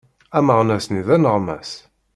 Ameɣnas-nni d aneɣmas.